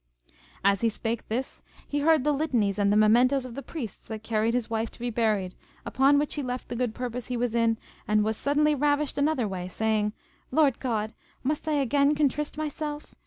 As he spake this, he heard the litanies and the mementos of the priests that carried his wife to be buried, upon which he left the good purpose he was in, and was suddenly ravished another way, saying, Lord God! must I again contrist myself?